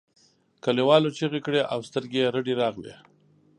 کليوالو چیغې کړې او سترګې یې رډې راغلې.